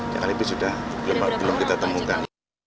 ke alibi sudah belum kita temukan